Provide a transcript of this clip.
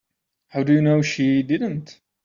How do you know she didn't?